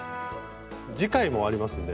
次回もありますんで。